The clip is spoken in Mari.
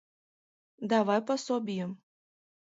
Давай пособийым!